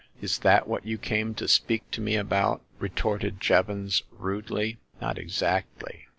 Is that what you came to speak to me about ?" retorted Jevons, rudely. " Not exactly.